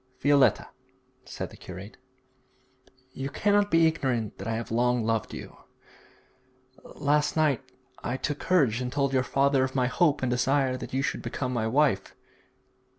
'Violetta,' said the curate, 'you cannot be ignorant that I have long loved you. Last night I took courage and told your father of my hope and desire that you should become my wife.